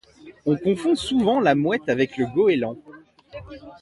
On confond souvent la Mouette avec le Goéland.